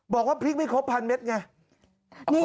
บอกว่าพริกไม่ครบ๑๐๐เมตรไง